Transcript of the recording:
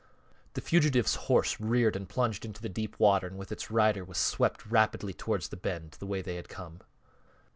The fugitive's horse reared and plunged into the deep water and with its rider was swept rapidly towards the bend, the way they had come.